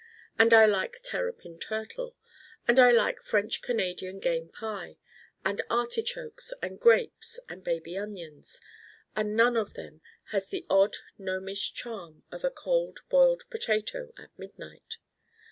And I like terrapin turtle. And I like French Canadian game pie. And artichokes and grapes and baby onions. And none of them has the odd gnome ish charm of a Cold Boiled Potato at midnight.